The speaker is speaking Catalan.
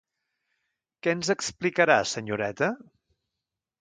Què ens explicarà senyoreta?